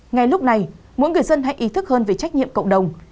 ngay lúc này mỗi người dân hãy ý thức hơn về trách nhiệm cộng đồng